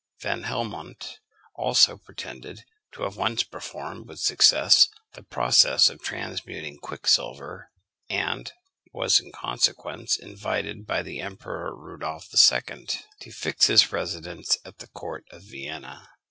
Van Helmont also pretended to have once performed with success the process of transmuting quicksilver, and was in consequence invited by the Emperor Rudolph II. to fix his residence at the court of Vienna.